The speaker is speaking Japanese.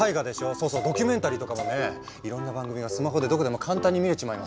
そうそうドキュメンタリーとかもねいろんな番組がスマホでどこでも簡単に見れちまいますよ。